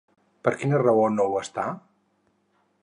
Per quina raó no ho està?